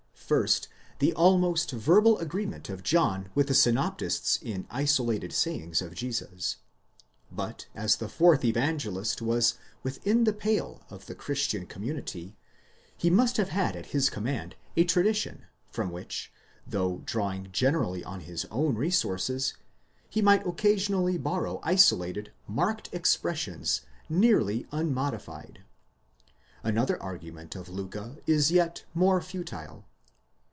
*© First, the almost verbal agreement of John with the synoptists in isolated sayings of Jesus, But as the fourth Evangelist was with in the pale of the Christian community, he must have had at his command a tradition, from which, though drawing generally on his own resources, he might occasionally borrow isolated, marked expressions, nearly unmodified. Another argument of Liicke is yet more futile.